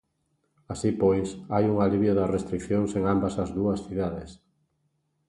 Así pois, hai un alivio das restricións en ambas as dúas cidades.